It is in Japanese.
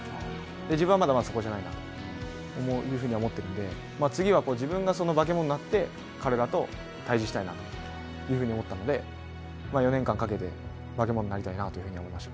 自分はまだまだそこじゃないなというふうに思っているので、次は自分が化け物になって彼らと対峙したいなと思ったので４年間かけて、化け物になりたいなと思いました。